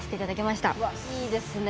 いいですね。